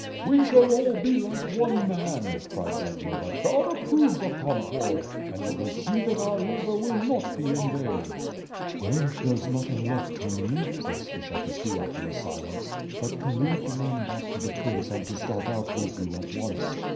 ^' We shall all be like one man," cried Zagloba, "God ap provee of concord, and you will see that our labor will not bei in vaux. 9> 5o6 WITE FIRE AND SWORD, "Well, there's nothing left to me/' said Skshetuski, after a silence, "but to lead the men back to the prince and to start out with you at once.